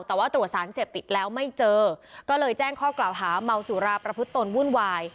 แต่ว่าตรวจสารเสพติดแล้วไม่เจอก็เลยแจ้งข้อกล่าวหาเมาสุราประพฤติตนวุ่นวาย